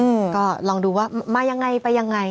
อืมก็ลองดูว่ามายังไงไปยังไง